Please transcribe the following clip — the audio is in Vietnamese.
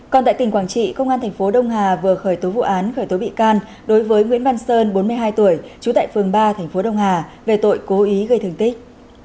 còn tại tỉnh quảng trị công an thành phố đông hà vừa khởi tố vụ án khởi tố bị can đối với nguyễn văn sơn bốn mươi hai tuổi trú tại phường ba thành phố đông hà về tội cố ý gây thương tích